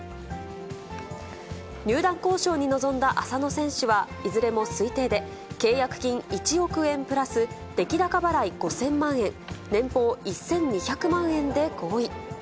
入団交渉に臨んだ浅野選手は、いずれも推定で、契約金１億円プラス出来高払い５０００万円、年俸１２００万円で合意。